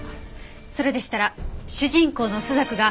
それでしたら主人公の朱雀が。